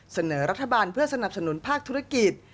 เสนอรัฐบาลเพื่อสนับสนุนภาคธุรกิจ